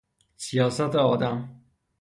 سیاست آدم